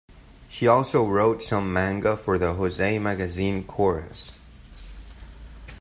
She also wrote some manga for the josei magazine "Chorus".